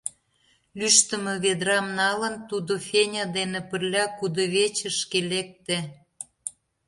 Лӱштымӧ ведрам налын, тудо Феня дене пырля кудывечышке лекте.